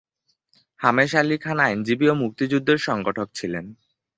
হাশেম আলী খান আইনজীবী ও মুক্তিযুদ্ধের সংগঠক ছিলেন।